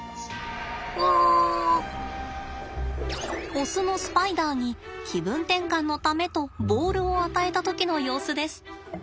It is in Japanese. オスのスパイダーに気分転換のためとボールを与えた時の様子です。